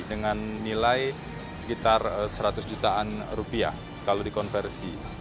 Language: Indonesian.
dengan nilai sekitar seratus jutaan rupiah kalau dikonversi